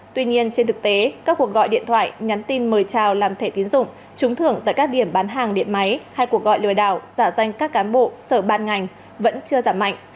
tuy nhiên trên thực tế các cuộc gọi điện thoại nhắn tin mời trào làm thẻ tiến dụng trúng thưởng tại các điểm bán hàng điện máy hay cuộc gọi lừa đảo giả danh các cán bộ sở ban ngành vẫn chưa giảm mạnh